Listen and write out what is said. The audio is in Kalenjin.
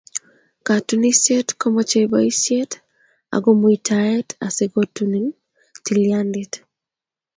Katunisyet komochei boisyet ako mutaet asi kotunen tilyandiit.